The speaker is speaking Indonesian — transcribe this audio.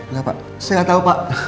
nah pak saya nggak tahu pak